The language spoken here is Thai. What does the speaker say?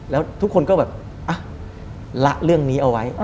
แล้วทุกคนก็แบบละเรื่องนี้เอาไว้